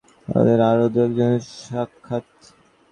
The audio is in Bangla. মধ্যে দেরাদুনে উদাসী সাধু কল্যাণদেব ও আরও দু এক জনের সহিত সাক্ষাৎ।